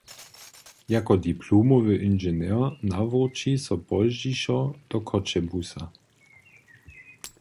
Jako diplomowy inženjer nawróći so pozdźišo do Choćebuza.